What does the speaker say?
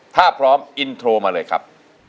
ถ้าพร้อมอินโทรมาเลยครับ